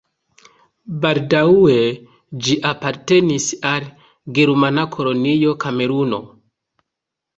Baldaŭe ĝi apartenis al germana kolonio Kameruno.